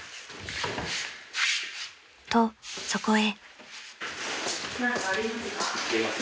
［とそこへ］